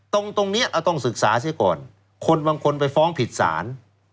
ตรงนี้เราต้องศึกษาเสียก่อนคนบางคนไปฟ้องผิดศาล